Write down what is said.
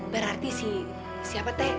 berarti si siapa teh